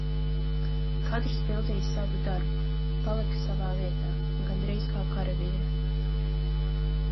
Katrs pildīja savu darbu, palika savā vietā, gandrīz kā karavīri.